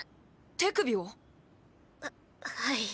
手首を？ははい。